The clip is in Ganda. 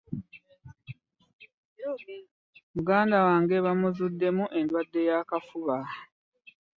Muganda wange bamuzuddemu endwadde y'akafuba .